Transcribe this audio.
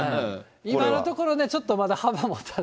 今のところね、ちょっとまだ幅もたせて。